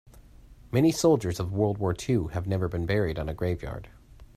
Many soldiers of world war two have never been buried on a grave yard.